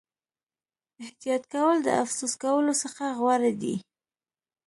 احتیاط کول د افسوس کولو څخه غوره دي.